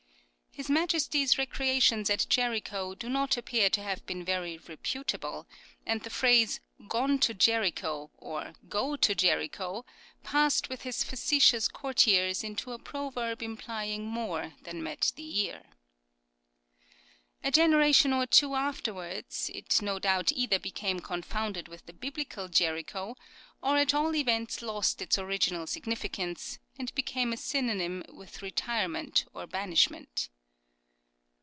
His Majesty's recrea tions at Jericho do not appear to have been very reputable, and the phrase " Gone to Jericho," or " Go to Jericho," passed with his facetious courtiers into a proverb implying more than met the' ear. A generation or two afterwards it no doubt either became confounded with the Biblical Jericho or at all events lost its original significan.ce. POPULAR PROVERBS 275 and became a synonym with retirement or banish ment.